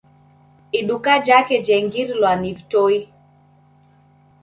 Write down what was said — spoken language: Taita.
Iduka jake jengirilwa ni vitoi